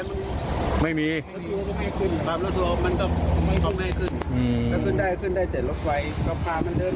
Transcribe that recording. เราพามันเดินไปเรื่อยพักไปเรื่อยหรือ